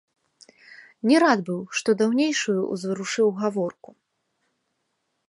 Не рад быў, што даўнейшую ўзварушыў гаворку.